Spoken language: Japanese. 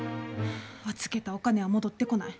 預けたお金は戻ってこない。